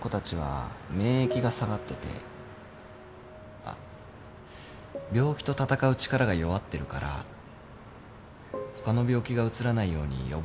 あっ病気と闘う力が弱ってるから他の病気がうつらないように予防してるんだ。